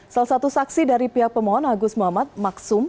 salah satu saksi dari pihak pemohon agus muhammad maksum